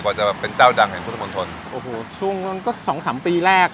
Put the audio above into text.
กว่าจะเป็นเจ้าดังของคุณท่านหมวนทนโอ้โหช่วงนั้งก็สองสามปีแรก